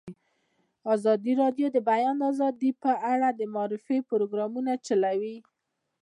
ازادي راډیو د د بیان آزادي په اړه د معارفې پروګرامونه چلولي.